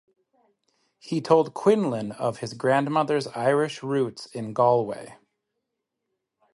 He told Quinlan of his grandmother's Irish roots in Galway.